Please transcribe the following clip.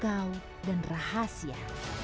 kau dan rahasia